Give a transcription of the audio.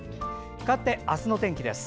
かわって、明日の天気です。